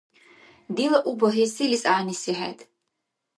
Дила у багьес селис гӀягӀниси хӀед?